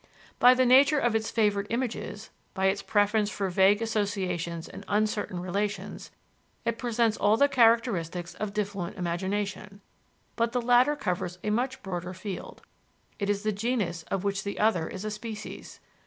By the nature of its favorite images, by its preference for vague associations and uncertain relations, it presents all the characteristics of diffluent imagination; but the latter covers a much broader field: it is the genus of which the other is a species.